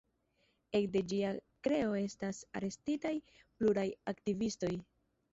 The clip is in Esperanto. Ekde ĝia kreo estas arestitaj pluraj aktivistoj.